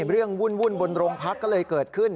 วุ่นบนโรงพักก็เลยเกิดขึ้น